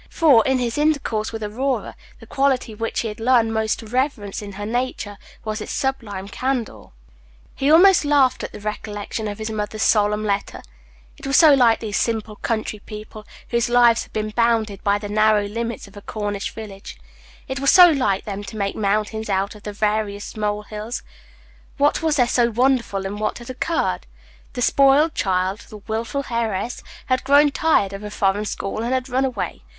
For, in his intercourse with Aurora, the quality which he had learned most to reverence in her nature was its sublime candor. He almost laughed at the recollection of his mother's solemn letter. It was so like these simple country people, whose lives had been bounded by the narrow limits of a Cornish village it was so like them to make mountains out of the veriest mole hills. What was there so wonderful in that which had occurred? The spoiled child, the wilful heiress, had grown tired of a foreign school, and had run away.